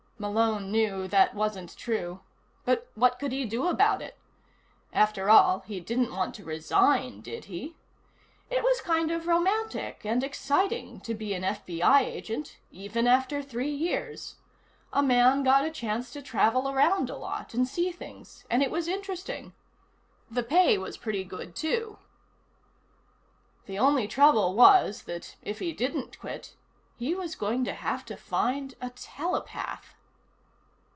Malone knew that wasn't true, but what could he do about it? After all, he didn't want to resign, did he? It was kind of romantic and exciting to be an FBI agent, even after three years. A man got a chance to travel around a lot and see things, and it was interesting. The pay was pretty good, too. The only trouble was that, if he didn't quit, he was going to have to find a telepath.